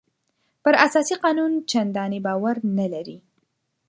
پر اساسي قانون چندانې باور نه لري.